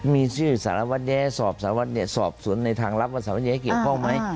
มีชื่อสารวัตเยสอบสวนในทางรับว่าสารวัตเยเกี่ยวข้องไหม